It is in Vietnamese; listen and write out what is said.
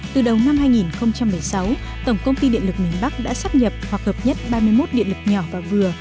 từ đầu năm hai nghìn một mươi sáu tổng công ty điện lực miền bắc đã sắp nhập hoặc hợp nhất ba mươi một điện lực nhỏ và vừa